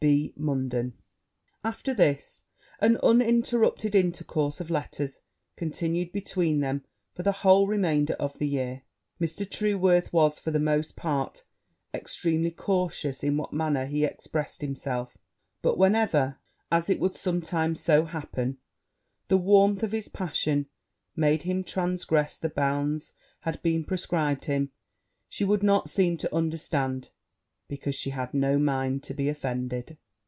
B. MUNDEN.' After this, an uninterrupted intercourse of letters continued between them for the whole remainder of the year. Mr. Trueworth was for the most part extremely cautious in what manner he expressed himself; but whenever, as it would sometimes so happen, the warmth of his passion made him transgress the bounds which had been prescribed him, she would not seem to understand, because she had no mind to be offended.